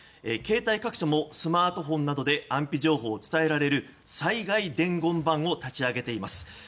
携帯各社もスマートフォンなどで安否情報を伝えられる災害用伝言板を立ち上げています。